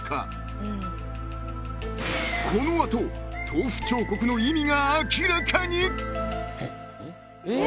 ［この後豆腐彫刻の意味が明らかに］え！